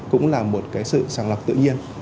cũng là một cái sự sàng lọc tự nhiên